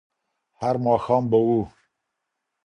هر ماښام به وو